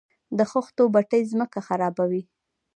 د خښتو بټۍ ځمکه خرابوي؟